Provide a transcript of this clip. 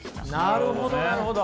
なるほどなるほど。